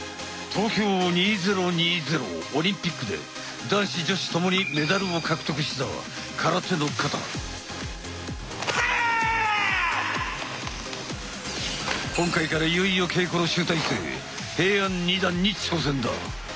東京２０２０オリンピックで男子女子ともにメダルを獲得した今回からいよいよ稽古の集大成平安二段に挑戦だ！